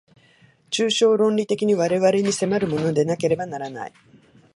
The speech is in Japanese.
抽象論理的に我々に迫るものでなければならない。